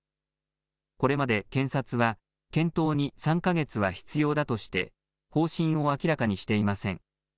これまで検察は、検討に３か月は必要だとして、方針を明らかにしていません。